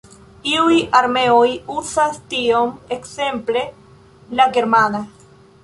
Iuj armeoj uzas tiun, ekzemple la Germana.